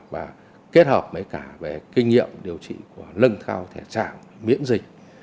và kết hợp với cả về kinh nghiệm điều trị của lân thao thể trạng miễn dịch